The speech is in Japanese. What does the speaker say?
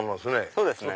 そうですね。